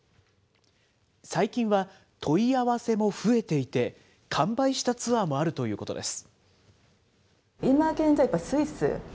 最近は問い合わせも増えていて、完売したツアーもあるということです。